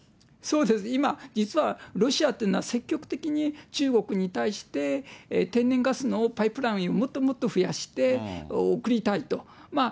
そうです、今、実はロシアっていうのは、積極的に中国に対して、天然ガスのパイプラインを、もっともっと増やして送りたいと。